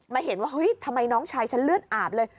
เห็นว่าเฮ้ยทำไมน้องชายฉันเลือดอาบเลย